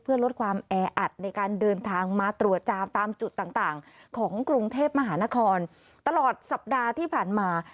เพื่อลดความแออัดในการเดินทางมาตรวจจามตามจุดต่างของกรุงเทพมหานครตลอดสัปดาห์ที่ผ่านมา